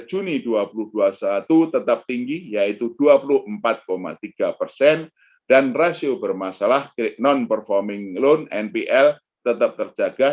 dua puluh juni dua ribu dua puluh satu tetap tinggi yaitu dua puluh empat tiga persen dan rasio bermasalah non performing loan npl tetap terjaga